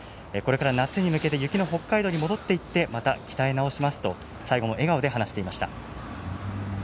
これから夏に向けて雪の北海道に戻っていってまた鍛え直しますと最後も笑顔で話していました。